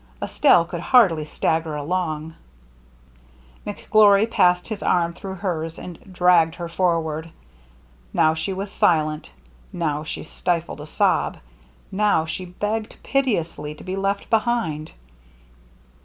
Estelle could hardly stagger along. Mc Glory passed his arm through hers and dragged her forward. Now she was silent, now she stifled a sob, now she begged pite ously to be left behind.